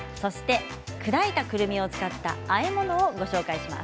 砕いたくるみを使ったあえ物をご紹介します。